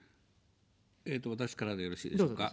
私からでよろしいでしょうか。